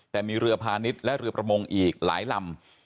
แต่มีเรือพาณิชย์และเรือประมงอีกหลายลำ